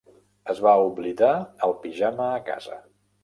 Es va oblidar el pijama a casa.